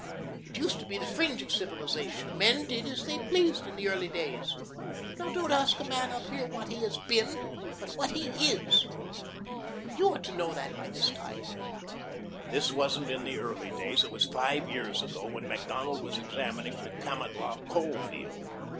It used to be the fringe of civilization. Men did as they pleased in the early days. We don't ask a man up here what he has been, but what he is. You ought to know that by this time." "This wasn't in the early days. It was five years ago, when Macdonald was examining the Kamatlah coal field.